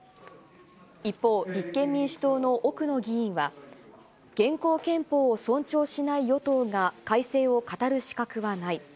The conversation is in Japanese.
一方、立憲民主党の奥野議員は、現行憲法を尊重しない与党が改正を語る資格はない。